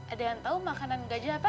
ada yang tahu makanan gajah apa